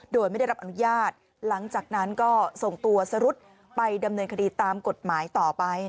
โดยไม่ได้รับอนุญาตหลังจากนั้นก็ส่งตัวสรุธไปดำเนินคดีตามกฎหมายต่อไป